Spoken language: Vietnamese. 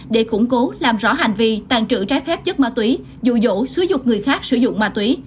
để củng cố làm rõ hành vi tàn trự trái phép chất ma túy dụ dỗ sử dụng người khác sử dụng ma túy